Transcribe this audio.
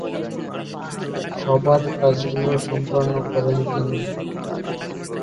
সবার কাজগুলো সমন্বয় করেন তিনি।